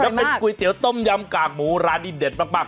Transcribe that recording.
แล้วเป็นก๋วยเตี๋ยวต้มยำกากหมูร้านนี้เด็ดมาก